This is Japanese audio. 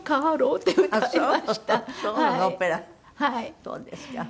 そうですか。